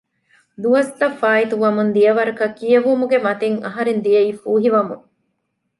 ދުވަސްތަށް ފާއިތުވަމުން ދިޔަ ވަރަކަށް ކިޔެވުމުގެ މަތިން އަހަރެން ދިޔައީ ފޫހިވަމުން